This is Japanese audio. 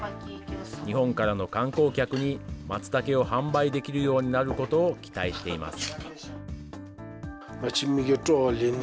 日本からの観光客にマツタケを販売できるようになることを期待しています。